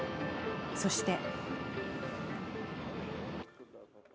そして